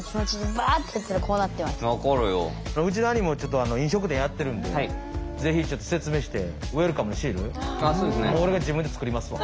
うちの兄もちょっと飲食店やってるんでぜひ説明してウェルカムシールもう俺が自分で作りますわ。